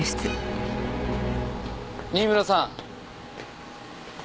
新村さん。